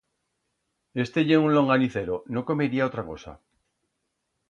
Este ye un longanicero, no comería otra cosa.